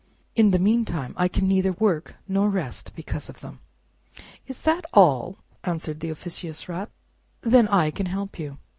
In the meantime I can neither work nor rest because of them." "Is that all?" answered the officious Rat; then I can help you.